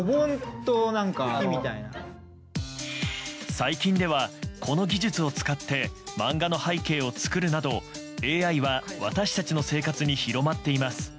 最近では、この技術を使って漫画の背景を作るなどＡＩは私たちの生活に広まっています。